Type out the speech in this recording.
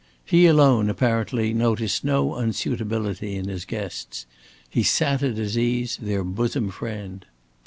He alone apparently noticed no unsuitability in his guests. He sat at his ease, their bosom friend.